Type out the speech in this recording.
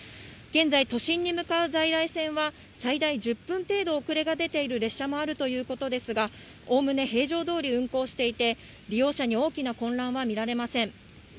現在、都心に向かう在来線は最大１０分程度、遅れが出ている列車もあるということですが、おおむね平常通り運行していて、利用者に大きな混乱は見られません。